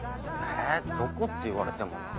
えどこって言われてもなぁ。